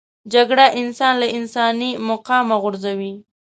جګړه انسان له انساني مقامه غورځوي